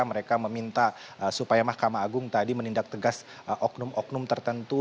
mereka meminta supaya mahkamah agung tadi menindak tegas oknum oknum tertentu